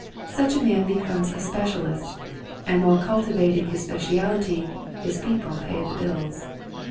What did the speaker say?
Such a man becomes a specialist and while cultivating his spe cialty his people pay the bills.